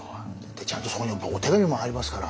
でちゃんとそこにお手紙も入りますから。